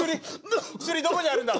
どこにあるんだ？